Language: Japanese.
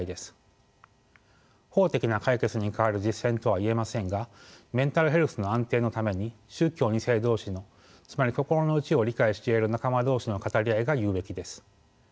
法的な解決に代わる実践とは言えませんがメンタルヘルスの安定のために宗教２世同士のつまり心の内を理解し合える仲間同士の語り合いが有益です。